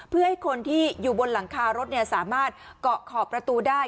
เพื่อให้คนที่อยู่บนหลังคารถสามารถเกาะขอบประตูได้